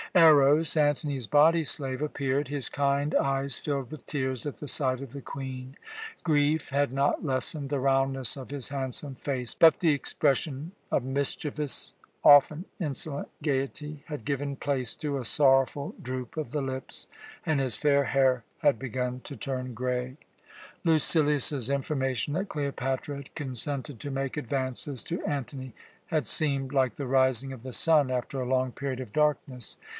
Eros, Antony's body slave, appeared. His kind eyes filled with tears at the sight of the Queen. Grief had not lessened the roundness of his handsome face, but the expression of mischievous, often insolent, gaiety had given place to a sorrowful droop of the lips, and his fair hair had begun to turn grey. Lucilius's information that Cleopatra had consented to make advances to Antony had seemed like the rising of the sun after a long period of darkness.